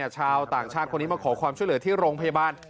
ชาวต่างชาติคนนี้มาขอความช่วยเหลือที่โรงพยาบาล